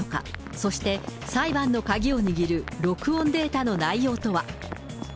そして裁判の鍵を握る録音データの内容とは。